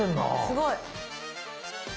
すごい！